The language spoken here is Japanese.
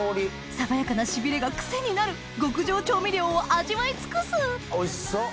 爽やかなしびれが癖になる極上調味料を味わい尽くすおいしそっ。